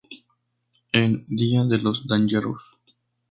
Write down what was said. En "¡día De Los Dangerous!